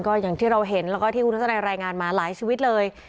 ก็อย่างที่เราเห็นแล้วก็ที่คุณทัศนัยรายงานมาหลายชีวิตเลย